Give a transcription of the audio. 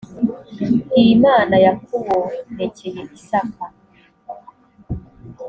iimana yakubonekeye isaka